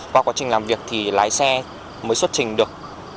qua quá trình làm việc thì lái xe mới xuất trình được